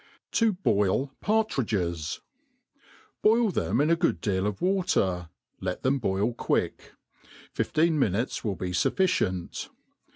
7i iw7 Paririi^es, BOIL them in a good deal of >yater, let them boll quick ; fifteen minutes will be fufficient.